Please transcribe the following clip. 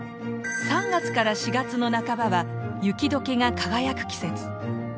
３月から４月の半ばは「雪解けが輝く季節」。